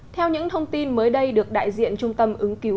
theo những thông tin mới đây được đại diện trung tâm ứng cứu